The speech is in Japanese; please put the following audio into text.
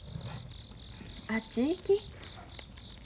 あっちへ行き。